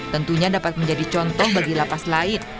tentunya dapat menjadi contoh bagi lapas lain